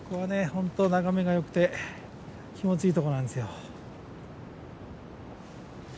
本当眺めがよくて気持ちいいところなんですよ。